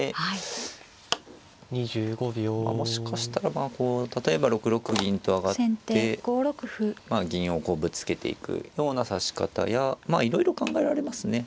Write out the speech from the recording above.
もしかしたらこう例えば６六銀と上がって銀をこうぶつけていくような指し方やまあいろいろ考えられますね。